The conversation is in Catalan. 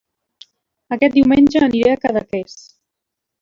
Aquest diumenge aniré a Cadaqués